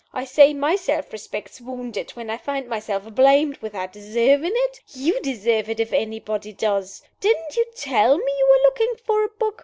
I say my self respect is wounded, when I find myself blamed without deserving it. You deserve it, if anybody does. Didn't you tell me you were looking for a book?